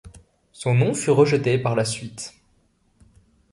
Son nom fut rejeté par la suite.